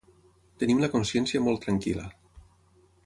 Tenim la consciència molt tranquil·la.